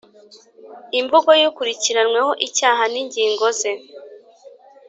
Imvugo y ukurikiranyweho icyaha n ingingo ze